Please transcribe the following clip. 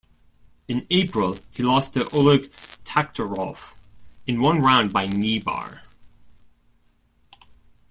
In April, he lost to Oleg Taktarov in one round by kneebar.